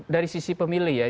dari sisi pemilih ya